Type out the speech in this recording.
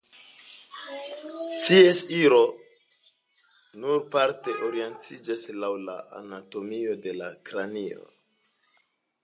Ties iro nur parte orientiĝas laŭ la anatomio de la kranio.